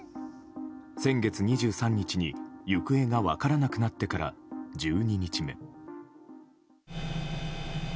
先月２３日に行方が分からなくなってから１２日目。